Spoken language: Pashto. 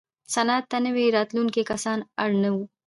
صنعت ته نوي راتلونکي کسان اړ نه وو.